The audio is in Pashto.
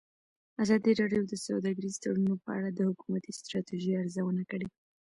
ازادي راډیو د سوداګریز تړونونه په اړه د حکومتي ستراتیژۍ ارزونه کړې.